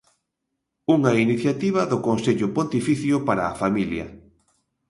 Unha iniciativa do Consello Pontificio para a Familia.